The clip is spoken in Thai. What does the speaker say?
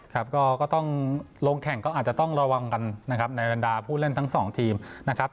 ครับก็ต้องลงแข่งก็อาจจะต้องระวังกันนะครับในบรรดาผู้เล่นทั้งสองทีมนะครับ